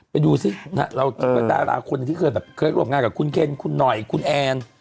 ไปดูสิดาราคนที่เคลื่อนร่วมงานกับคุณเคนคุณหน่อยคุณแอน